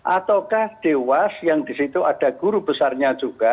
ataukah dewas yang disitu ada guru besarnya juga